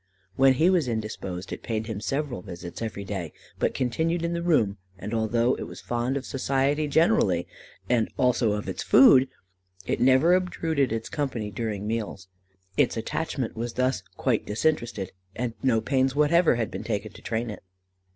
When he was indisposed, it paid him several visits every day, but continued in the room; and although it was fond of society generally, and also of its food; it never obtruded its company during meals. Its attachment was thus quite disinterested, and no pains whatever had been taken to train it."